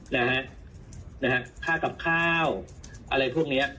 นะฮะนะฮะค่ากับข้าวอะไรพวกเนี้ย